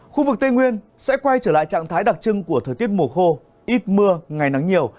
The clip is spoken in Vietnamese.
khu vực tây nguyên sẽ quay trở lại trạng thái đặc trưng của thời tiết mùa khô ít mưa ngày nắng nhiều